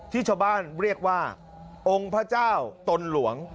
ที่ชาวบ้านเรียกว่าองค์พระเจ้าตนหลวง